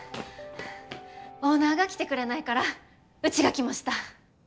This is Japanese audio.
オーナーが来てくれないからうちが来ました。